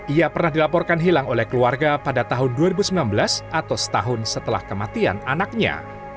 ia pernah dilaporkan hilang oleh keluarga pada tahun dua ribu sembilan belas atau setahun setelah kematian anaknya